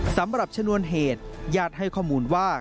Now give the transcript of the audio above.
สำหรับชนวนเหตุญาติให้ข้อมูลว่า